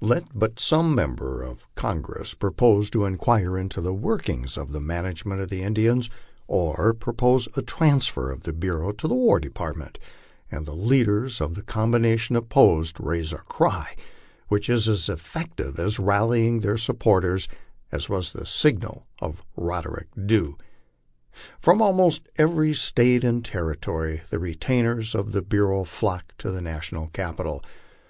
Let but some member of Con gress propose to inquire into the workings of the management of the Indians, or propose a transfer of the bureau to the War Department, and the leaders of the combination opposed raise a cry which is as effective in rallying their supporters as was the signal of Roderick Dhu. From almost every State and territory the retainers of the bureau flock to the national capital.